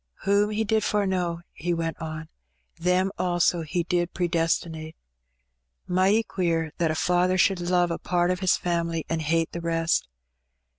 ''' Whom He did foreknow,' " he went on, "' them also He did predestinate.' Mighty queer, that a Father should love a part o' His fam'ly an' hate the rest.